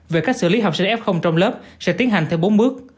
về cách xử lý học sinh f trong lớp sẽ tiến hành theo bốn bước